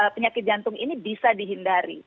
penyakit jantung ini bisa dihindari